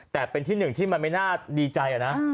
แต่เป็นที่หนึ่งที่มันไม่น่าดีใจนะ